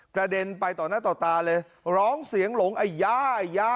เด็นไปต่อหน้าต่อตาเลยร้องเสียงหลงไอ้ย่าย่า